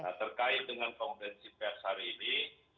nah terkait dengan komprensi pers hari ini